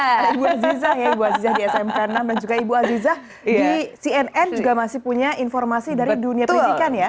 ibu aziza ya ibu azizah di smk enam dan juga ibu aziza di cnn juga masih punya informasi dari dunia pendidikan ya